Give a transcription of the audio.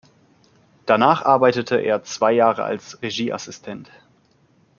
Danach arbeitete er zwei Jahre als Regieassistent.